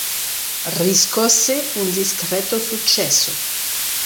Riscosse un discreto successo.